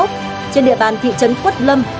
trên địa bàn thị trấn quất lâm